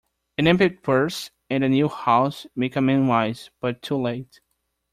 An empty purse, and a new house, make a man wise, but too late.